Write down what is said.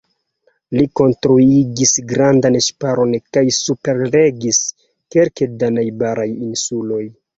Li konstruigis grandan ŝiparon kaj superregis kelke da najbaraj insuloj.